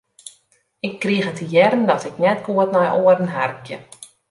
Ik krige te hearren dat ik net goed nei oaren harkje.